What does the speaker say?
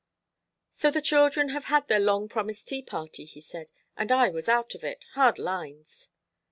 "So the children have had their long promised tea party," he said, "and I was out of it. Hard lines."